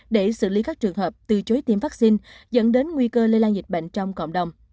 để xử lý các trường hợp từ chối tiêm vaccine dẫn đến nguy cơ lây lan dịch bệnh trong cộng đồng